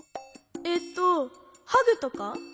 えっとハグとか？